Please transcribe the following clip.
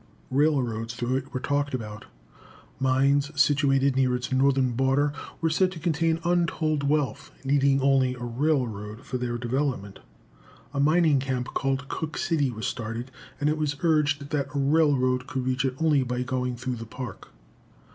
Railroads through it were talked about. Mines, situated near its northern border, were said to contain untold wealth, needing only a railroad for their development. A mining camp, called Cooke City, was started, and it was urged that a railroad could reach it only by going through the Park.